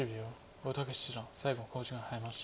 大竹七段最後の考慮時間に入りました。